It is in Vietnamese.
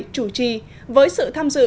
chủ trì với sự tham dự